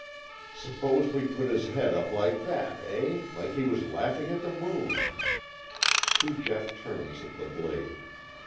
"S'pose we put his head up like that, hey, like he was laughing at the moon?" Two deft turns of the blade.